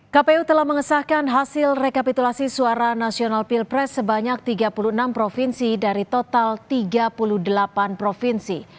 kpu telah mengesahkan hasil rekapitulasi suara nasional pilpres sebanyak tiga puluh enam provinsi dari total tiga puluh delapan provinsi